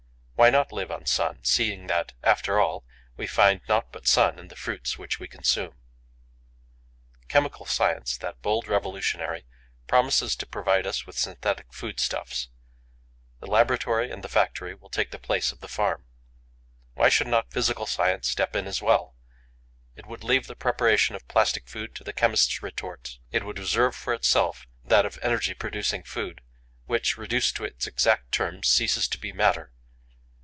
Why not live on sun, seeing that, after all, we find naught but sun in the fruits which we consume? Chemical science, that bold revolutionary, promises to provide us with synthetic food stuffs. The laboratory and the factory will take the place of the farm. Why should not physical science step in as well? It would leave the preparation of plastic food to the chemist's retorts; it would reserve for itself that of energy producing food, which, reduced to its exact terms, ceases to be matter.